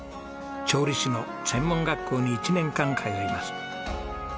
調理師の専門学校に１年間通います。